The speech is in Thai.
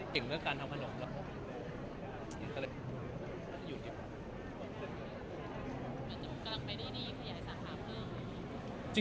มันจึงส้มกักไปได้ได้ขยายสถานทางครื่อง